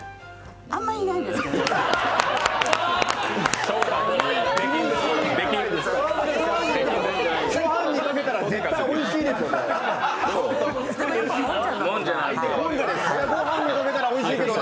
あんまりいないですけどね。